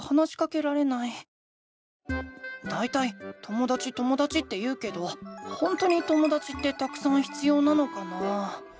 だいたいともだちともだちって言うけどほんとにともだちってたくさん必要なのかな？